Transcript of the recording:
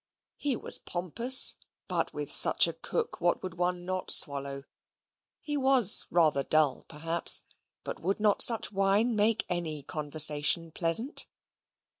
He was pompous, but with such a cook what would one not swallow? he was rather dull, perhaps, but would not such wine make any conversation pleasant?